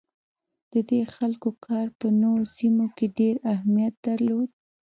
د دې خلکو کار په نوو سیمو کې ډیر اهمیت درلود.